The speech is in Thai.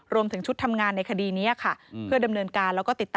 รวมถึงชุดทำงานในคดีนี้